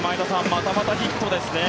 またまたヒットですね。